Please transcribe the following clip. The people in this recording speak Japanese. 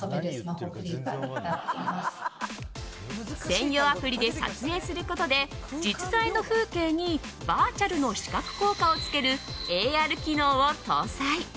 専用アプリで撮影することで実際の風景にバーチャルの視覚効果をつけるＡＲ機能を搭載。